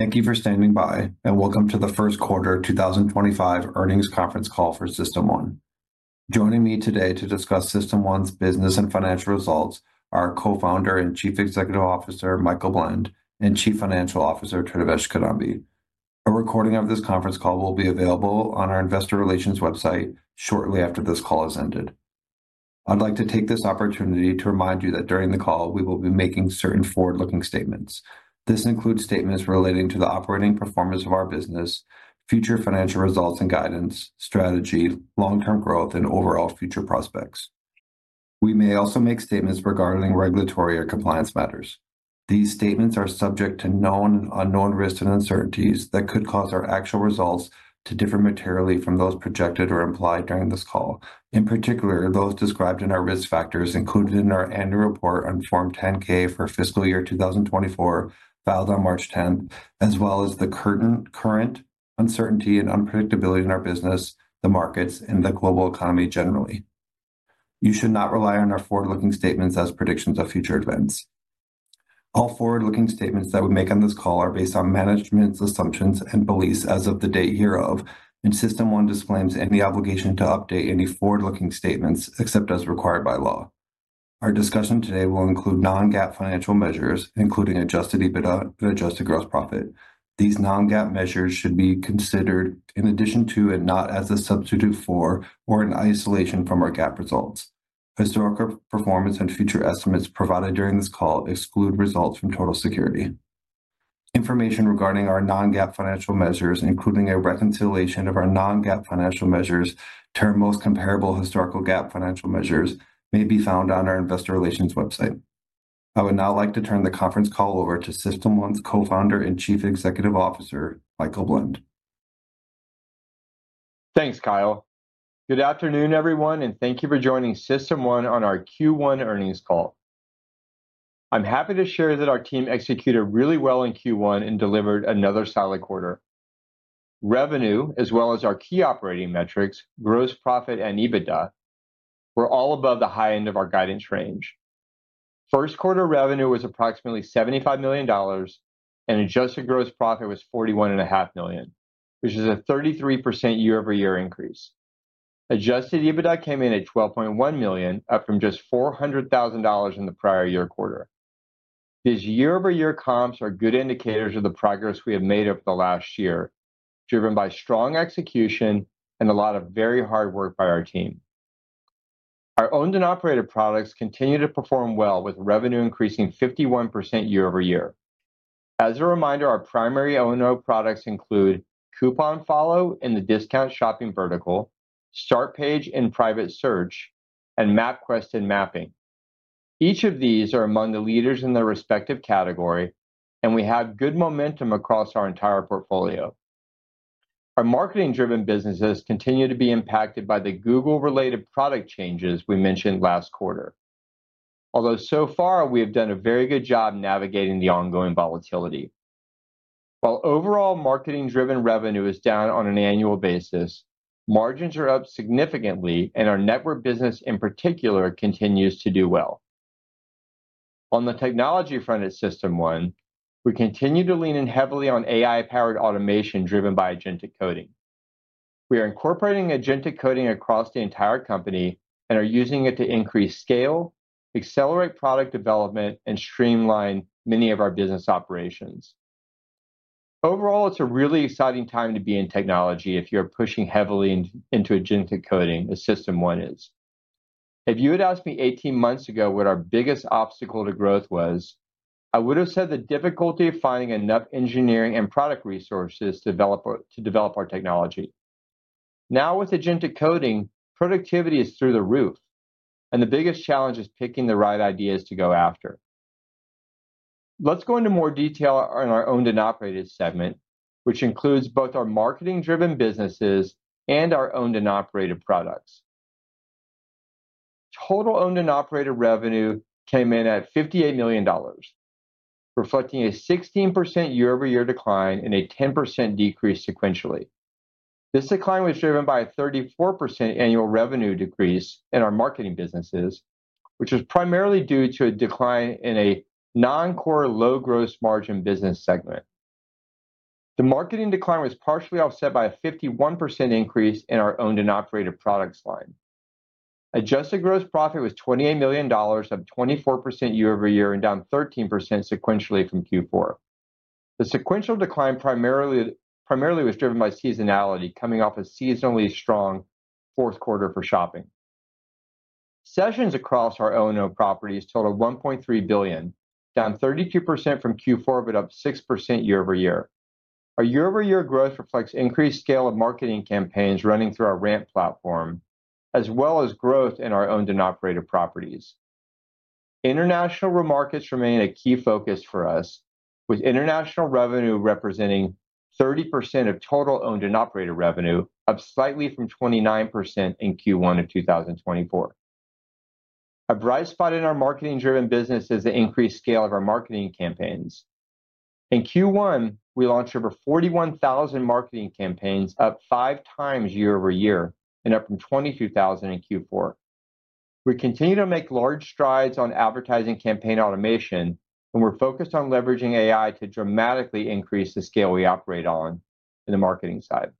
Thank you for standing by, and welcome to the First Quarter 2025 Earnings Conference Call for System1. Joining me today to discuss System1's business and financial results are our Co-founder and Chief Executive Officer Michael Blend and Chief Financial Officer Tridivesh Kidambi. A recording of this conference call will be available on our investor relations website shortly after this call has ended. I'd like to take this opportunity to remind you that during the call, we will be making certain forward-looking statements. This includes statements relating to the operating performance of our business, future financial results and guidance, strategy, long-term growth, and overall future prospects. We may also make statements regarding regulatory or compliance matters. These statements are subject to known and unknown risks and uncertainties that could cause our actual results to differ materially from those projected or implied during this call. In particular, those described in our risk factors included in our annual report on Form 10-K for fiscal year 2024, filed on March 10th, as well as the current uncertainty and unpredictability in our business, the markets, and the global economy generally. You should not rely on our forward-looking statements as predictions of future events. All forward-looking statements that we make on this call are based on management's assumptions and beliefs as of the date hereof, and System1 disclaims any obligation to update any forward-looking statements except as required by law. Our discussion today will include non-GAAP financial measures, including adjusted EBITDA and adjusted gross profit. These non-GAAP measures should be considered in addition to and not as a substitute for or in isolation from our GAAP results. Historical performance and future estimates provided during this call exclude results from Total Tecurity. Information regarding our non-GAAP financial measures, including a reconciliation of our non-GAAP financial measures to our most comparable historical GAAP financial measures, may be found on our investor relations website. I would now like to turn the conference call over to System1's Co-founder and Chief Executive Officer, Michael Blend. Thanks, Kyle. Good afternoon, everyone, and thank you for joining System1 on our Q1 Earnings Call. I'm happy to share that our team executed really well in Q1 and delivered another solid quarter. Revenue, as well as our key operating metrics, gross profit, and EBITDA were all above the high end of our guidance range. First quarter revenue was approximately $75 million, and adjusted gross profit was $41.5 million, which is a 33% year-over-year increase. Adjusted EBITDA came in at $12.1 million, up from just $400,000 in the prior year quarter. These year-over-year comps are good indicators of the progress we have made over the last year, driven by strong execution and a lot of very hard work by our team. Our owned and operated products continue to perform well, with revenue increasing 51% year-over-year. As a reminder, our primary owned and operated products include CouponFollow in the discount shopping vertical, Startpage in private search, and MapQuest in mapping. Each of these are among the leaders in their respective category, and we have good momentum across our entire portfolio. Our marketing-driven businesses continue to be impacted by the Google-related product changes we mentioned last quarter, although so far we have done a very good job navigating the ongoing volatility. While overall marketing-driven revenue is down on an annual basis, margins are up significantly, and our network business in particular continues to do well. On the technology front at System1, we continue to lean in heavily on AI-powered automation driven by agentic coding. We are incorporating agentic coding across the entire company and are using it to increase scale, accelerate product development, and streamline many of our business operations. Overall, it's a really exciting time to be in technology if you're pushing heavily into agentic coding, as System1 is. If you had asked me 18 months ago what our biggest obstacle to growth was, I would have said the difficulty of finding enough engineering and product resources to develop our technology. Now, with agentic coding, productivity is through the roof, and the biggest challenge is picking the right ideas to go after. Let's go into more detail on our owned and operated segment, which includes both our marketing-driven businesses and our owned and operated products. Total owned and operated revenue came in at $58 million, reflecting a 16% year-over-year decline and a 10% decrease sequentially. This decline was driven by a 34% annual revenue decrease in our marketing businesses, which was primarily due to a decline in a non-core, low-gross margin business segment. The marketing decline was partially offset by a 51% increase in our owned and operated products line. Adjusted gross profit was $28 million, up 24% year-over-year and down 13% sequentially from Q4. The sequential decline primarily was driven by seasonality, coming off a seasonally strong fourth quarter for shopping. Sessions across our owned and operated properties totaled 1.3 billion, down 32% from Q4, but up 6% year-over-year. Our year-over-year growth reflects increased scale of marketing campaigns running through our RAMP platform, as well as growth in our owned and operated properties. International markets remain a key focus for us, with international revenue representing 30% of total owned and operated revenue, up slightly from 29% in Q1 of 2024. A bright spot in our marketing-driven business is the increased scale of our marketing campaigns. In Q1, we launched over 41,000 marketing campaigns, up five times year-over-year and up from 22,000 in Q4. We continue to make large strides on advertising campaign automation, and we're focused on leveraging AI to dramatically increase the scale we operate on in the marketing side.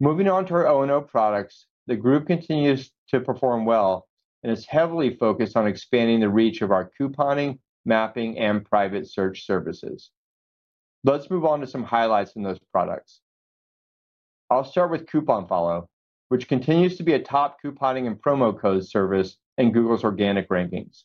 Moving on to our owned and owned products, the group continues to perform well and is heavily focused on expanding the reach of our couponing, mapping, and private search services. Let's move on to some highlights in those products. I'll start with CouponFollow, which continues to be a top couponing and promo code service in Google's organic rankings.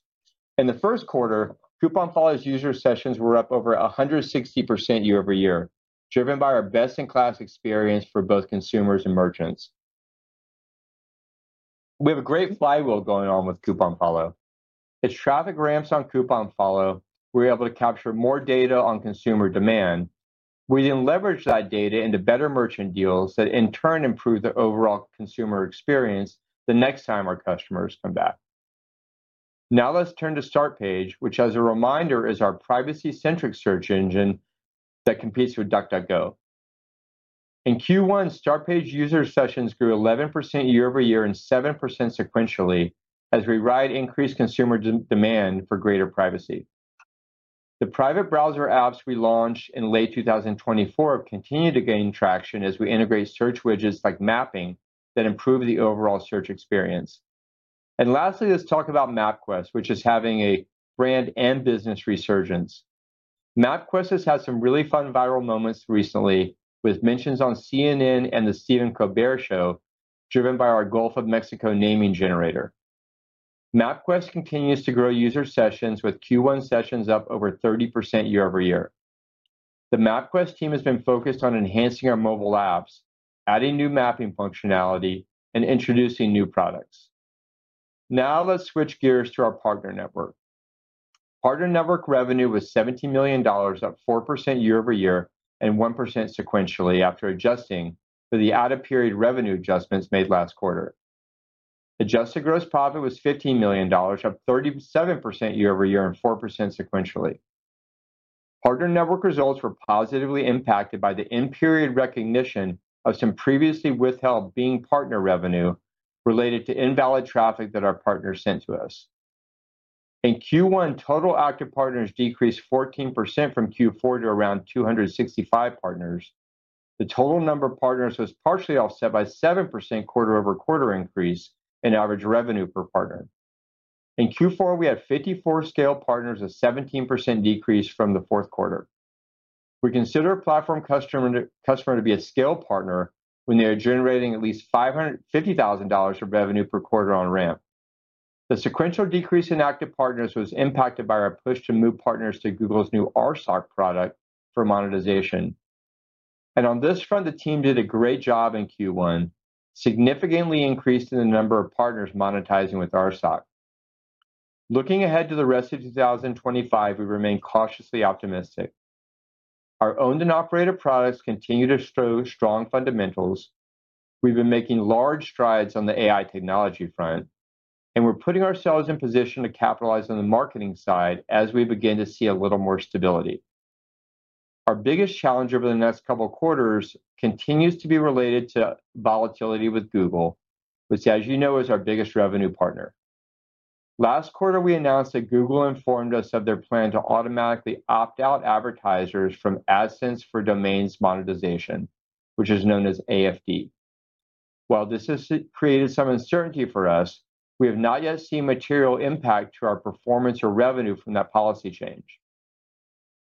In the first quarter, CouponFollow's user sessions were up over 160% year-over-year, driven by our best-in-class experience for both consumers and merchants. We have a great flywheel going on with CouponFollow. As traffic ramps on CouponFollow, we're able to capture more data on consumer demand. We then leverage that data into better merchant deals that, in turn, improve the overall consumer experience the next time our customers come back. Now let's turn to Startpage, which, as a reminder, is our privacy-centric search engine that competes with DuckDuckGo. In Q1, Startpage user sessions grew 11% year-over-year and 7% sequentially as we ride increased consumer demand for greater privacy. The private browser apps we launched in late 2024 have continued to gain traction as we integrate search widgets like mapping that improve the overall search experience. Lastly, let's talk about MapQuest, which is having a brand and business resurgence. MapQuest has had some really fun viral moments recently, with mentions on CNN and the Stephen Colbert Show, driven by our Gulf of Mexico naming generator. MapQuest continues to grow user sessions, with Q1 sessions up over 30% year-over-year. The MapQuest team has been focused on enhancing our mobile apps, adding new mapping functionality, and introducing new products. Now let's switch gears to our partner network. Partner network revenue was $17 million, up 4% year-over-year and 1% sequentially after adjusting for the added period revenue adjustments made last quarter. Adjusted gross profit was $15 million, up 37% year-over-year and 4% sequentially. Partner network results were positively impacted by the end period recognition of some previously withheld being partner revenue related to invalid traffic that our partners sent to us. In Q1, total active partners decreased 14% from Q4 to around 265 partners. The total number of partners was partially offset by a 7% quarter-over-quarter increase in average revenue per partner. In Q4, we had 54 scaled partners, a 17% decrease from the fourth quarter. We consider a platform customer to be a scaled partner when they are generating at least $50,000 of revenue per quarter on RAMP. The sequential decrease in active partners was impacted by our push to move partners to Google's new RSOC product for monetization. On this front, the team did a great job in Q1, significantly increasing the number of partners monetizing with RSOC. Looking ahead to the rest of 2025, we remain cautiously optimistic. Our owned and operated products continue to show strong fundamentals. We've been making large strides on the AI technology front, and we're putting ourselves in position to capitalize on the marketing side as we begin to see a little more stability. Our biggest challenge over the next couple of quarters continues to be related to volatility with Google, which, as you know, is our biggest revenue partner. Last quarter, we announced that Google informed us of their plan to automatically opt out advertisers from AdSense for Domains monetization, which is known as AFD. While this has created some uncertainty for us, we have not yet seen material impact to our performance or revenue from that policy change.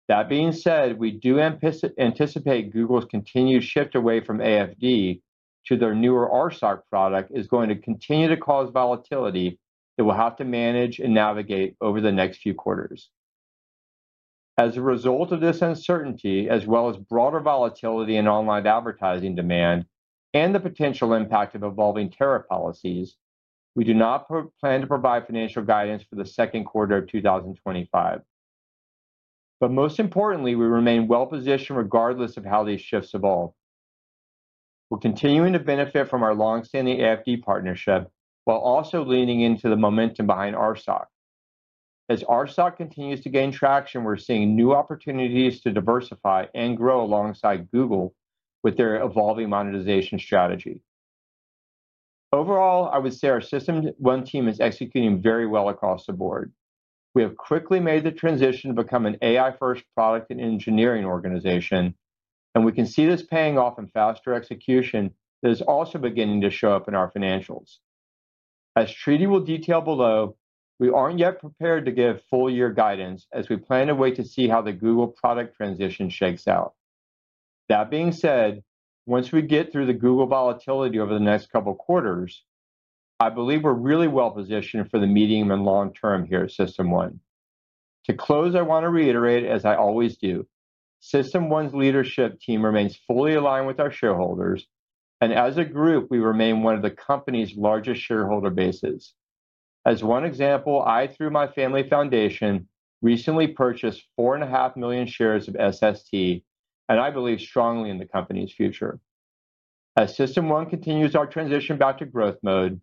That being said, we do anticipate Google's continued shift away from AFD to their newer RSOC product is going to continue to cause volatility that we'll have to manage and navigate over the next few quarters. As a result of this uncertainty, as well as broader volatility in online advertising demand and the potential impact of evolving tariff policies, we do not plan to provide financial guidance for the second quarter of 2025. Most importantly, we remain well-positioned regardless of how these shifts evolve. We're continuing to benefit from our longstanding AFD partnership while also leaning into the momentum behind RSOC. As RSOC continues to gain traction, we're seeing new opportunities to diversify and grow alongside Google with their evolving monetization strategy. Overall, I would say our System1 team is executing very well across the board. We have quickly made the transition to become an AI-first product and engineering organization, and we can see this paying off in faster execution that is also beginning to show up in our financials. As Tridi will detail below, we aren't yet prepared to give full-year guidance as we plan to wait to see how the Google product transition shakes out. That being said, once we get through the Google volatility over the next couple of quarters, I believe we're really well-positioned for the medium and long term here at System1. To close, I want to reiterate, as I always do, System1's leadership team remains fully aligned with our shareholders, and as a group, we remain one of the company's largest shareholder bases. As one example, I, through my family foundation, recently purchased 4.5 million shares of SST, and I believe strongly in the company's future. As System1 continues our transition back to growth mode,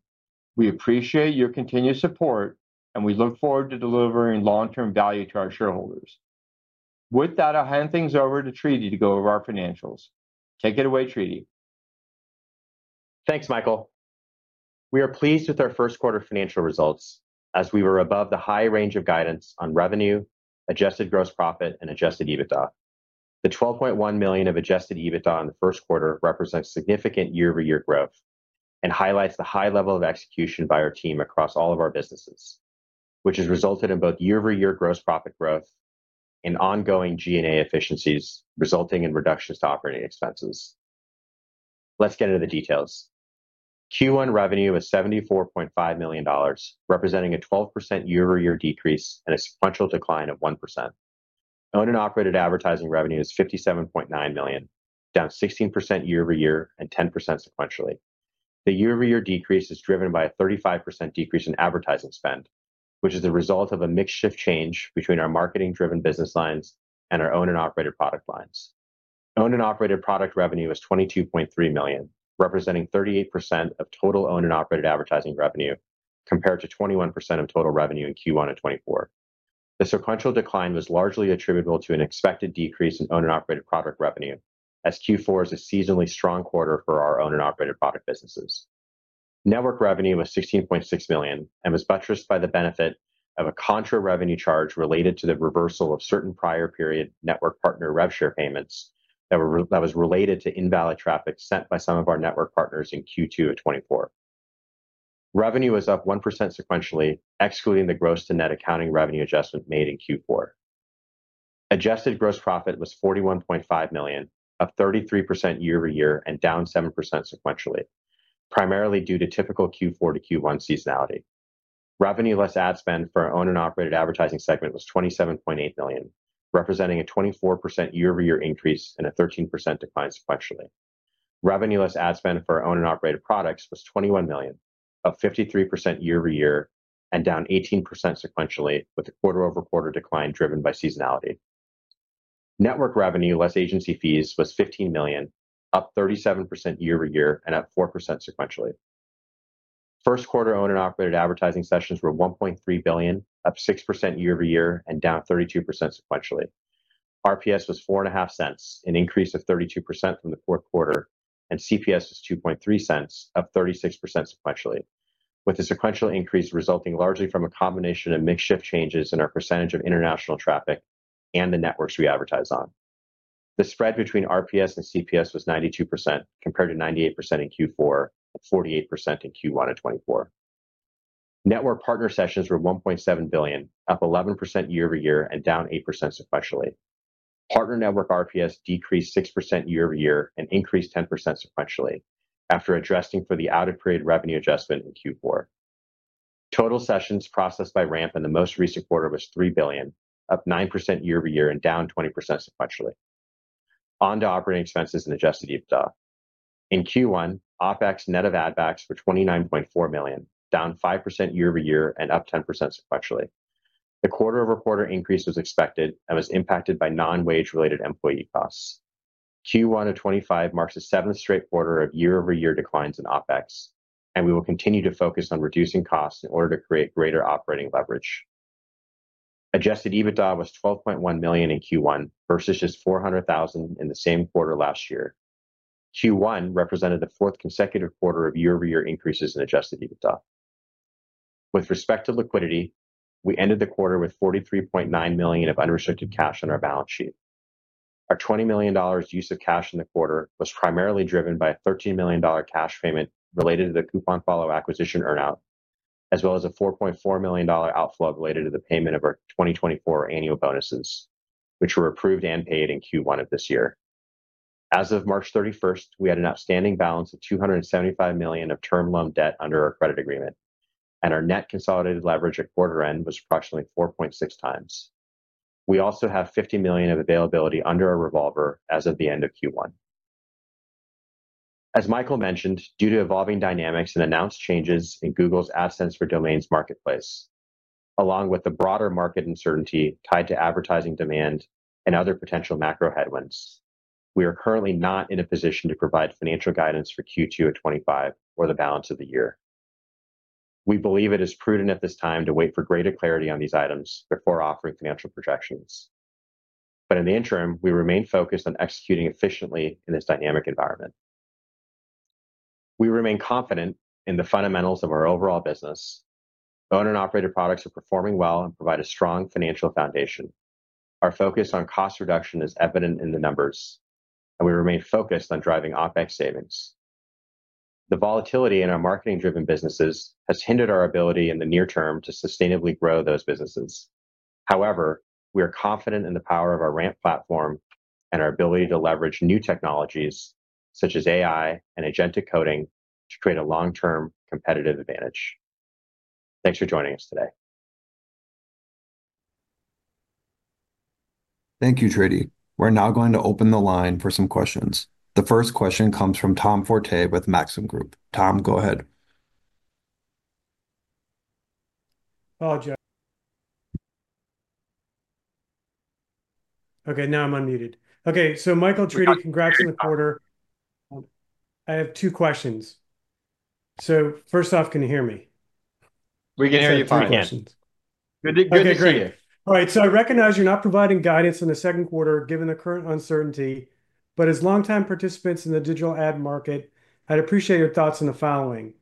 we appreciate your continued support, and we look forward to delivering long-term value to our shareholders. With that, I'll hand things over to Tridi to go over our financials. Take it away, Tridi. Thanks, Michael. We are pleased with our first quarter financial results as we were above the high range of guidance on revenue, adjusted gross profit, and adjusted EBITDA. The $12.1 million of adjusted EBITDA in the first quarter represents significant year-over-year growth and highlights the high level of execution by our team across all of our businesses, which has resulted in both year-over-year gross profit growth and ongoing G&A efficiencies resulting in reductions to operating expenses. Let's get into the details. Q1 revenue was $74.5 million, representing a 12% year-over-year decrease and a sequential decline of 1%. Owned and operated advertising revenue is $57.9 million, down 16% year-over-year and 10% sequentially. The year-over-year decrease is driven by a 35% decrease in advertising spend, which is the result of a mixed-shift change between our marketing-driven business lines and our owned and operated product lines. Owned and operated product revenue was $22.3 million, representing 38% of total owned and operated advertising revenue compared to 21% of total revenue in Q1 of 2024. The sequential decline was largely attributable to an expected decrease in owned and operated product revenue as Q4 is a seasonally strong quarter for our owned and operated product businesses. Network revenue was $16.6 million and was buttressed by the benefit of a contra-revenue charge related to the reversal of certain prior-period network partner rev share payments that was related to invalid traffic sent by some of our network partners in Q2 of 2024. Revenue was up 1% sequentially, excluding the gross to net accounting revenue adjustment made in Q4. Adjusted gross profit was $41.5 million, up 33% year-over-year and down 7% sequentially, primarily due to typical Q4 to Q1 seasonality. Revenue-less ad spend for our owned and operated advertising segment was $27.8 million, representing a 24% year-over-year increase and a 13% decline sequentially. Revenue-less ad spend for our owned and operated products was $21 million, up 53% year-over-year and down 18% sequentially, with a quarter-over-quarter decline driven by seasonality. Network revenue-less agency fees was $15 million, up 37% year-over-year and up 4% sequentially. First quarter owned and operated advertising sessions were 1.3 billion, up 6% year-over-year and down 32% sequentially. RPS was $0.04, an increase of 32% from the fourth quarter, and CPS was $0.03, up 36% sequentially, with the sequential increase resulting largely from a combination of mixed-shift changes in our percentage of international traffic and the networks we advertise on. The spread between RPS and CPS was 92% compared to 98% in Q4 and 48% in Q1 of 2024. Network partner sessions were $1.7 billion, up 11% year-over-year and down 8% sequentially. Partner network RPS decreased 6% year-over-year and increased 10% sequentially after adjusting for the added period revenue adjustment in Q4. Total sessions processed by RAMP in the most recent quarter was $3 billion, up 9% year-over-year and down 20% sequentially. On to operating expenses and adjusted EBITDA. In Q1, OPEX and net of ad backs were $29.4 million, down 5% year-over-year and up 10% sequentially. The quarter-over-quarter increase was expected and was impacted by non-wage-related employee costs. Q1 of 2025 marks the seventh straight quarter of year-over-year declines in OPEX, and we will continue to focus on reducing costs in order to create greater operating leverage. Adjusted EBITDA was $12.1 million in Q1 versus just $400,000 in the same quarter last year. Q1 represented the fourth consecutive quarter of year-over-year increases in adjusted EBITDA. With respect to liquidity, we ended the quarter with $43.9 million of unrestricted cash on our balance sheet. Our $20 million use of cash in the quarter was primarily driven by a $13 million cash payment related to the CouponFollow acquisition earn-out, as well as a $4.4 million outflow related to the payment of our 2024 annual bonuses, which were approved and paid in Q1 of this year. As of March 31, we had an outstanding balance of $275 million of term loan debt under our credit agreement, and our net consolidated leverage at quarter-end was approximately 4.6 times. We also have $50 million of availability under our revolver as of the end of Q1. As Michael mentioned, due to evolving dynamics and announced changes in Google's AdSense for Domains marketplace, along with the broader market uncertainty tied to advertising demand and other potential macro headwinds, we are currently not in a position to provide financial guidance for Q2 of 2025 or the balance of the year. We believe it is prudent at this time to wait for greater clarity on these items before offering financial projections. In the interim, we remain focused on executing efficiently in this dynamic environment. We remain confident in the fundamentals of our overall business. Owned and operated products are performing well and provide a strong financial foundation. Our focus on cost reduction is evident in the numbers, and we remain focused on driving OPEX savings. The volatility in our marketing-driven businesses has hindered our ability in the near term to sustainably grow those businesses. However, we are confident in the power of our RAMP platform and our ability to leverage new technologies such as AI and agentic coding to create a long-term competitive advantage. Thanks for joining us today. Thank you, Tridi. We're now going to open the line for some questions. The first question comes from Tom Forte with Maxim Group. Tom, go ahead. Oh. Okay, now I'm unmuted. Okay, so Michael, Tridi, congrats on the quarter. I have two questions. First off, can you hear me? We can hear you fine. Good to hear you. All right, so I recognize you're not providing guidance in the second quarter given the current uncertainty, but as long-time participants in the digital ad market, I'd appreciate your thoughts on the following.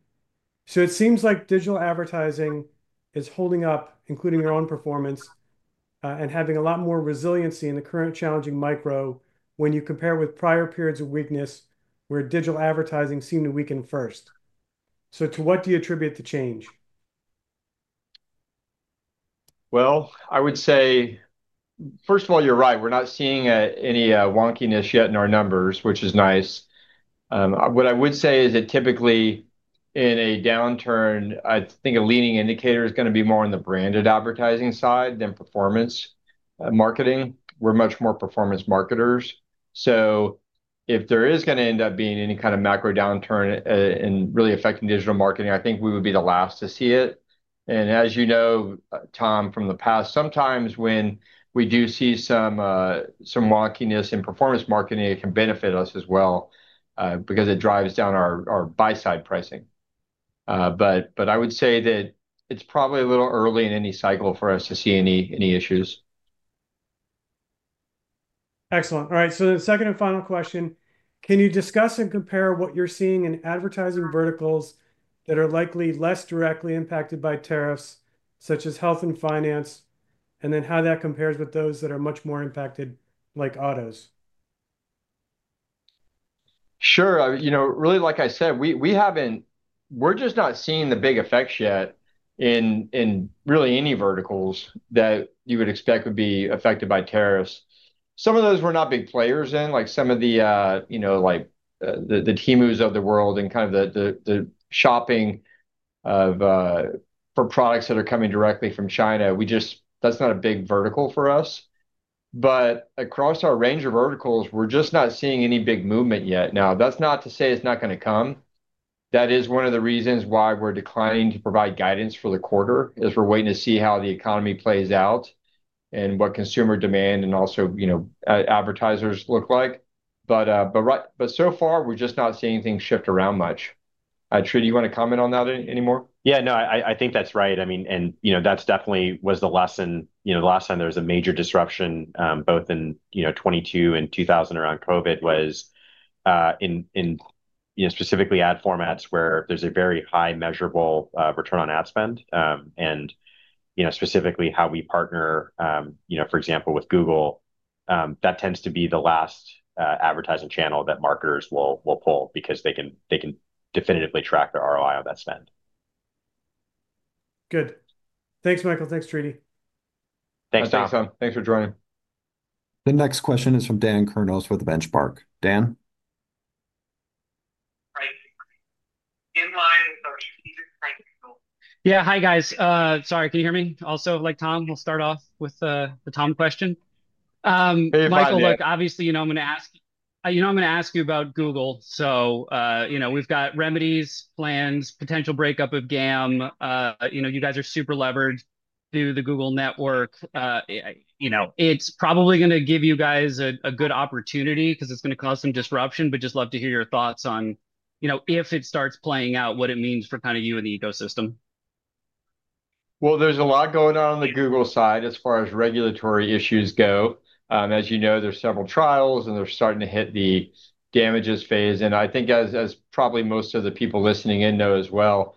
It seems like digital advertising is holding up, including your own performance, and having a lot more resiliency in the current challenging micro when you compare with prior periods of weakness where digital advertising seemed to weaken first. To what do you attribute the change? I would say, first of all, you're right. We're not seeing any wonkiness yet in our numbers, which is nice. What I would say is that typically in a downturn, I think a leading indicator is going to be more on the branded advertising side than performance marketing. We're much more performance marketers. If there is going to end up being any kind of macro downturn and really affecting digital marketing, I think we would be the last to see it. As you know, Tom, from the past, sometimes when we do see some wonkiness in performance marketing, it can benefit us as well because it drives down our buy-side pricing. I would say that it is probably a little early in any cycle for us to see any issues. Excellent. All right, so the second and final question. Can you discuss and compare what you're seeing in advertising verticals that are likely less directly impacted by tariffs, such as health and finance, and then how that compares with those that are much more impacted, like autos? Sure. You know, really, like I said, we haven't—we're just not seeing the big effects yet in really any verticals that you would expect would be affected by tariffs. Some of those we're not big players in, like some of the, you know, like the Temu's of the world and kind of the shopping for products that are coming directly from China. We just—that's not a big vertical for us. Across our range of verticals, we're just not seeing any big movement yet. Now, that's not to say it's not going to come. That is one of the reasons why we're declining to provide guidance for the quarter, as we're waiting to see how the economy plays out and what consumer demand and also, you know, advertisers look like. So far, we're just not seeing things shift around much. Tridi, you want to comment on that anymore? Yeah, no, I think that's right. I mean, and you know, that definitely was the lesson—you know, the last time there was a major disruption, both in 2022 and 2000 around COVID, was in specifically ad formats where there's a very high measurable return on ad spend. And specifically how we partner, you know, for example, with Google, that tends to be the last advertising channel that marketers will pull because they can definitively track their ROI on that spend. Good. Thanks, Michael. Thanks, Tridi. Thanks, Tom. Thanks, Tom. Thanks for joining. The next question is from Dan Kurnos with Benchmark. Dan? Hi. In line with our strategic planning tool. Yeah, hi, guys. Sorry, can you hear me? Also, like Tom, we'll start off with the Tom question. Hey, Michael. Michael, look, obviously, you know, I'm going to ask—you know, I'm going to ask you about Google. You know, we've got remedies, plans, potential breakup of GAM. You know, you guys are super levered through the Google network. You know, it's probably going to give you guys a good opportunity because it's going to cause some disruption, but just love to hear your thoughts on, you know, if it starts playing out, what it means for kind of you and the ecosystem. There is a lot going on on the Google side as far as regulatory issues go. As you know, there are several trials, and they are starting to hit the damages phase. I think, as probably most of the people listening in know as well,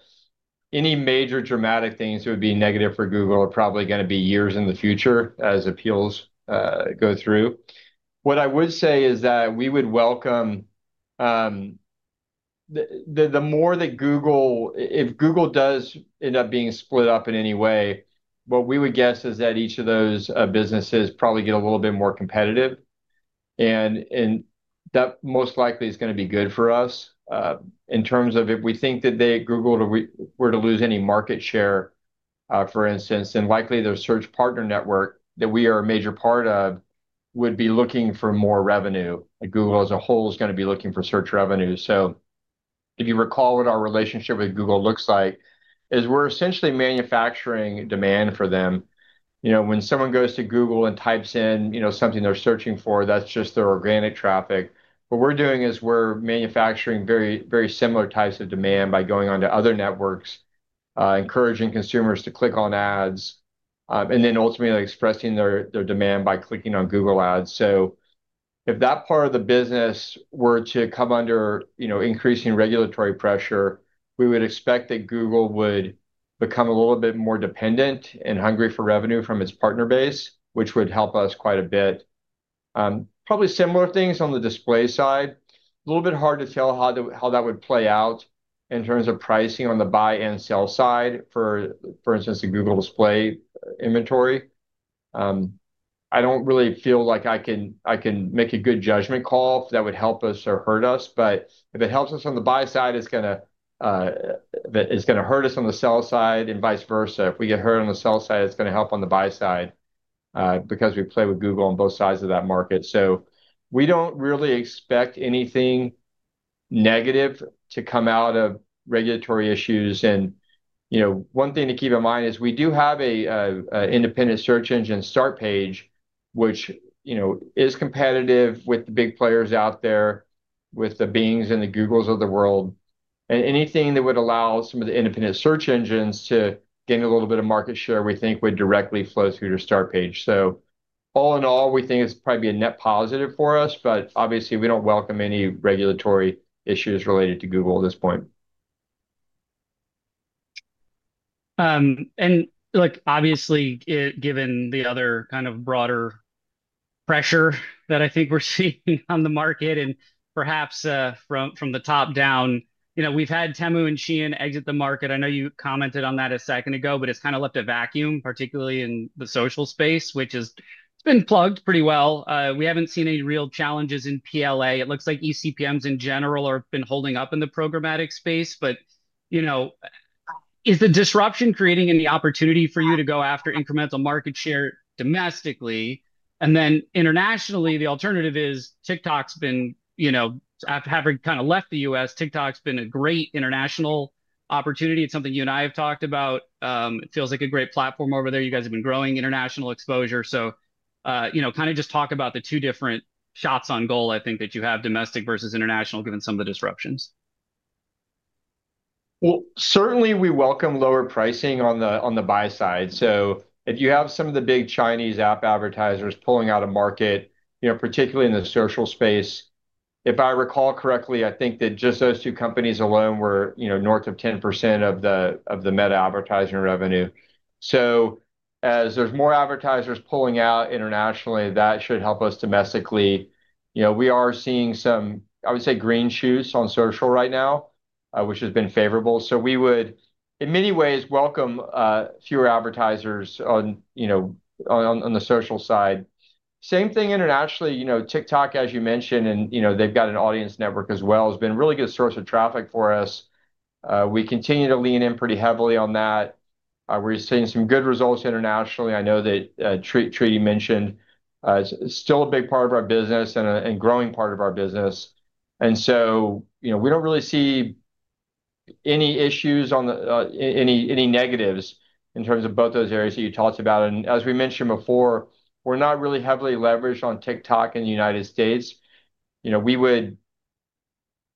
any major dramatic things that would be negative for Google are probably going to be years in the future as appeals go through. What I would say is that we would welcome the more that Google—if Google does end up being split up in any way, what we would guess is that each of those businesses probably get a little bit more competitive. That most likely is going to be good for us in terms of if we think that Google were to lose any market share, for instance, then likely their search partner network that we are a major part of would be looking for more revenue. Google as a whole is going to be looking for search revenue. If you recall what our relationship with Google looks like, is we're essentially manufacturing demand for them. You know, when someone goes to Google and types in, you know, something they're searching for, that's just their organic traffic. What we're doing is we're manufacturing very, very similar types of demand by going on to other networks, encouraging consumers to click on ads, and then ultimately expressing their demand by clicking on Google ads. If that part of the business were to come under, you know, increasing regulatory pressure, we would expect that Google would become a little bit more dependent and hungry for revenue from its partner base, which would help us quite a bit. Probably similar things on the display side. A little bit hard to tell how that would play out in terms of pricing on the buy and sell side, for instance, the Google display inventory. I do not really feel like I can make a good judgment call if that would help us or hurt us. If it helps us on the buy side, it is going to hurt us on the sell side and vice versa. If we get hurt on the sell side, it is going to help on the buy side because we play with Google on both sides of that market. We do not really expect anything negative to come out of regulatory issues. You know, one thing to keep in mind is we do have an independent search engine, Startpage, which, you know, is competitive with the big players out there, with the Bings and the Googles of the world. Anything that would allow some of the independent search engines to gain a little bit of market share, we think would directly flow through to Startpage. All in all, we think it is probably a net positive for us, but obviously, we do not welcome any regulatory issues related to Google at this point. Look, obviously, given the other kind of broader pressure that I think we're seeing on the market and perhaps from the top down, you know, we've had Temu and SHEIN exit the market. I know you commented on that a second ago, but it's kind of left a vacuum, particularly in the social space, which has been plugged pretty well. We haven't seen any real challenges in PLA. It looks like eCPMs in general have been holding up in the programmatic space. You know, is the disruption creating any opportunity for you to go after incremental market share domestically? Internationally, the alternative is TikTok's been, you know, having kind of left the U.S., TikTok's been a great international opportunity. It's something you and I have talked about. It feels like a great platform over there. You guys have been growing international exposure. You know, kind of just talk about the two different shots on goal, I think, that you have domestic versus international, given some of the disruptions. Certainly, we welcome lower pricing on the buy side. If you have some of the big Chinese app advertisers pulling out of market, particularly in the social space, if I recall correctly, I think that just those two companies alone were north of 10% of the Meta advertising revenue. As there are more advertisers pulling out internationally, that should help us domestically. We are seeing some, I would say, green shoots on social right now, which has been favorable. We would, in many ways, welcome fewer advertisers on the social side. Same thing internationally. TikTok, as you mentioned, and they have got an audience network as well, has been a really good source of traffic for us. We continue to lean in pretty heavily on that. We are seeing some good results internationally. I know that Tridi mentioned it's still a big part of our business and a growing part of our business. And so, you know, we don't really see any issues on the, any negatives in terms of both those areas that you talked about. As we mentioned before, we're not really heavily leveraged on TikTok in the United States. You know, we would,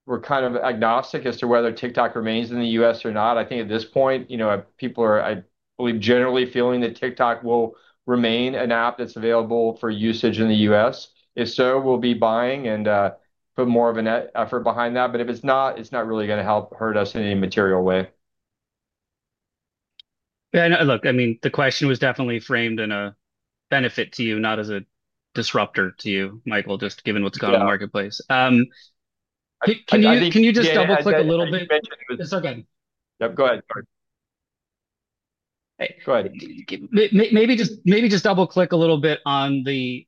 we're kind of agnostic as to whether TikTok remains in the U.S. or not. I think at this point, you know, people are, I believe, generally feeling that TikTok will remain an app that's available for usage in the U.S.. If so, we'll be buying and put more of an effort behind that. If it's not, it's not really going to help hurt us in any material way. Look, I mean, the question was definitely framed in a benefit to you, not as a disruptor to you, Michael, just given what's gone on the marketplace. Can you just double-click a little bit? Yep, go ahead. Hey, go ahead. Maybe just double-click a little bit on the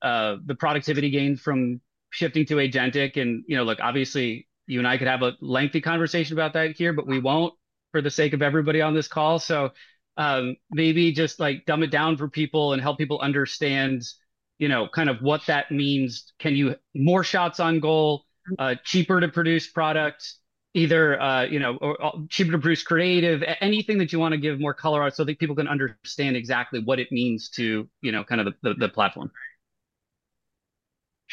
productivity gain from shifting to agentic. You know, look, obviously, you and I could have a lengthy conversation about that here, but we will not for the sake of everybody on this call. Maybe just like dumb it down for people and help people understand, you know, kind of what that means. Can you, more shots on goal, cheaper to produce products, either, you know, cheaper to produce creative, anything that you want to give more color on so that people can understand exactly what it means to, you know, kind of the platform?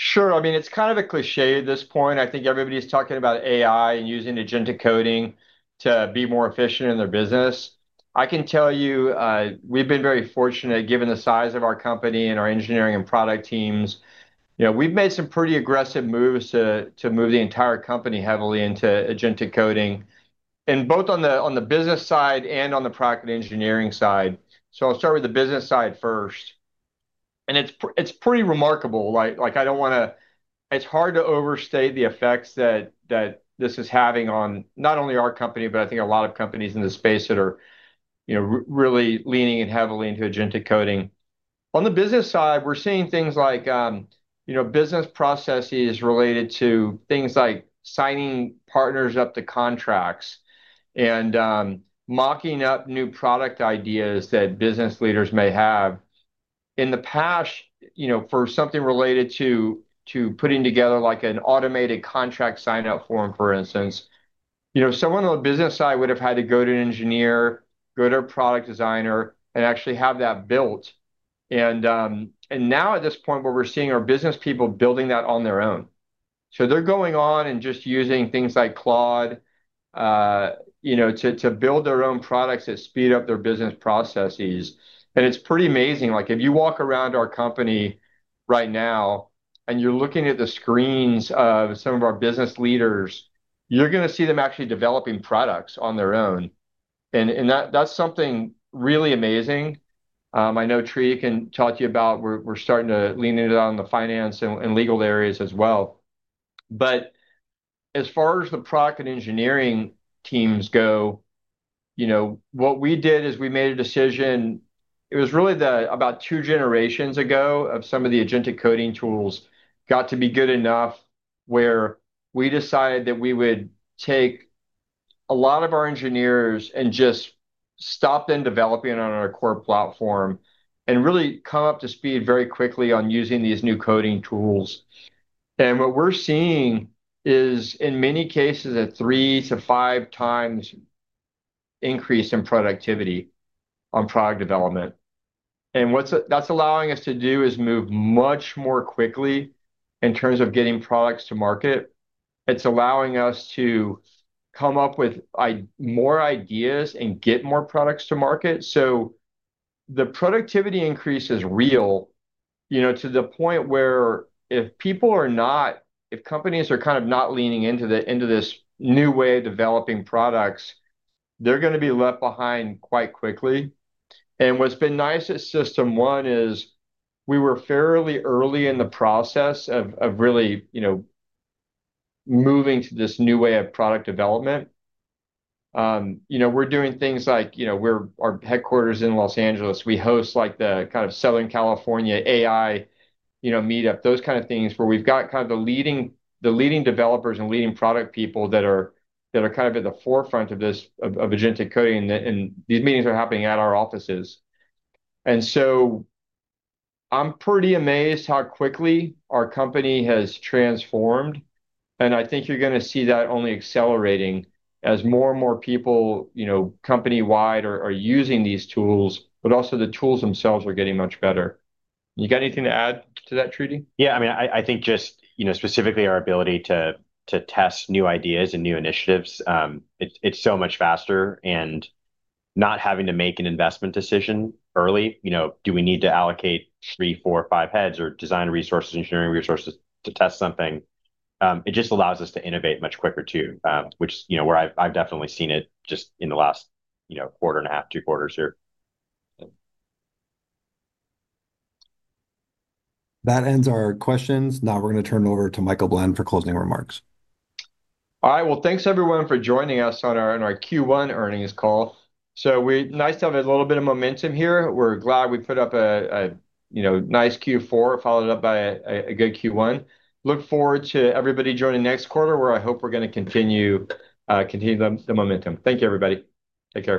Sure. I mean, it's kind of a cliché at this point. I think everybody's talking about AI and using agentic coding to be more efficient in their business. I can tell you we've been very fortunate given the size of our company and our engineering and product teams. You know, we've made some pretty aggressive moves to move the entire company heavily into agentic coding, both on the business side and on the product and engineering side. I'll start with the business side first. It's pretty remarkable. Like, I don't want to, it's hard to overstate the effects that this is having on not only our company, but I think a lot of companies in the space that are, you know, really leaning heavily into agentic coding. On the business side, we're seeing things like, you know, business processes related to things like signing partners up to contracts and mocking up new product ideas that business leaders may have. In the past, you know, for something related to putting together like an automated contract sign-up form, for instance, you know, someone on the business side would have had to go to an engineer, go to a product designer, and actually have that built. At this point, what we're seeing are business people building that on their own. They're going on and just using things like Claude, you know, to build their own products that speed up their business processes. And it's pretty amazing. Like, if you walk around our company right now and you're looking at the screens of some of our business leaders, you're going to see them actually developing products on their own. That's something really amazing. I know Tridi can talk to you about. We're starting to lean into that on the finance and legal areas as well. As far as the product and engineering teams go, you know, what we did is we made a decision. It was really about two generations ago of some of the agentic coding tools got to be good enough where we decided that we would take a lot of our engineers and just stop them developing on our core platform and really come up to speed very quickly on using these new coding tools. What we're seeing is, in many cases, a three to five times increase in productivity on product development. What that's allowing us to do is move much more quickly in terms of getting products to market. It's allowing us to come up with more ideas and get more products to market. The productivity increase is real, you know, to the point where if people are not, if companies are kind of not leaning into this new way of developing products, they're going to be left behind quite quickly. What's been nice at System1 is we were fairly early in the process of really, you know, moving to this new way of product development. You know, we're doing things like, you know, we're our headquarters in Los Angeles. We host like the kind of Southern California AI, you know, meetup, those kind of things where we've got kind of the leading developers and leading product people that are kind of at the forefront of this agentic coding. These meetings are happening at our offices. I'm pretty amazed how quickly our company has transformed. I think you're going to see that only accelerating as more and more people, you know, company-wide are using these tools, but also the tools themselves are getting much better. You got anything to add to that, Tridi? Yeah. I mean, I think just, you know, specifically our ability to test new ideas and new initiatives, it's so much faster. And not having to make an investment decision early, you know, do we need to allocate three, four, five heads or design resources, engineering resources to test something, it just allows us to innovate much quicker too, which, you know, where I've definitely seen it just in the last, you know, quarter and a half, two quarters here. That ends our questions. Now we're going to turn it over to Michael Blend for closing remarks. All right. Thanks everyone for joining us on our Q1 Earnings Call. It is nice to have a little bit of momentum here. We're glad we put up a, you know, nice Q4 followed up by a good Q1. Look forward to everybody joining next quarter, where I hope we're going to continue the momentum. Thank you, everybody. Take care.